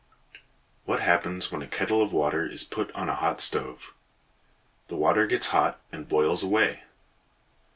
What happens when a kettle of water is put on a hot stove? The water gets hot and boils away.